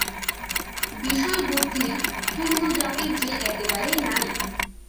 বিষয়বুদ্ধি হিন্দুজাতির যে একেবারেই নাই।